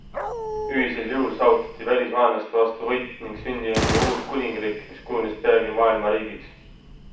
Ühisel jõul saavutati välisvaenlaste vastu võit ning sündinud oli uus kuningriik, mis kujunes peagi maailmariigiks.